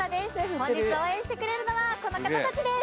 本日応援してくれるのはこの方たちです